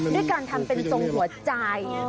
ด้วยการทำเป็นทรงหัวใจ